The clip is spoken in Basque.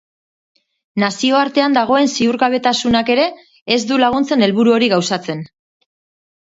Nazioartean dagoen ziurgabetasunak ere ez du laguntzen helburu hori gauzatzen.